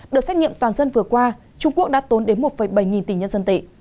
đợt xét nghiệm toàn dân vừa qua trung quốc đã tốn đến một bảy nghìn tỷ nhân dân tệ